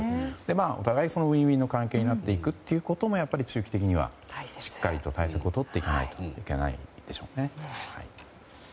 お互いにウィンウィンの関係になっていくこともやっぱり中期的にはしっかり対策をとっていかないといけないでしょうね。